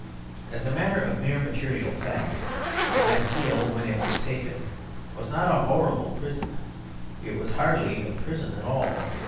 As a matter of mere material fact, the Bastille when it was taken was not a horrible prison; it was hardly a prison at all.